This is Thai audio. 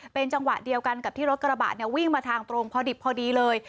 เป็นจังหวะเดียวกันกับที่รถกระบะเนี่ยวิ่งมาทางตรงพอดิบพอดีเลย